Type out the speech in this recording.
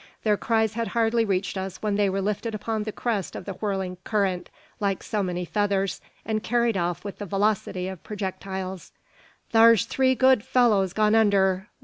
Their cries had hardly reached us when they were lifted upon the crest of the whirling current, like so many feathers, and carried off with the velocity of projectiles! "Thar's three good fellows gone under!